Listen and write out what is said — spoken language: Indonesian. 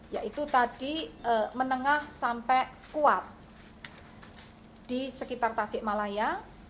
yaitu tadi menengah sampai kuat di sekitar tasik malaya